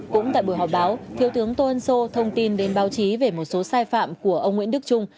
cũng tại buổi họp báo thiếu tướng tô ân sô thông tin đến báo chí về một số sai phạm của ông nguyễn đức trung